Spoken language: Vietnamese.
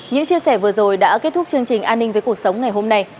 những chia sẻ vừa rồi đã kết thúc chương trình an ninh với cuộc sống ngày hôm nay